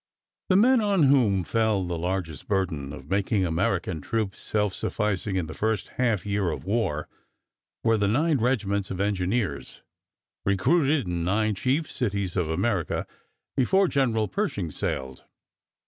The men on whom fell the largest burden of making American troops self sufficing in the first half year of war, were the nine regiments of engineers recruited in nine chief cities of America before General Pershing sailed.